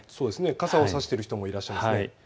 傘を差している人もいらっしゃいますね。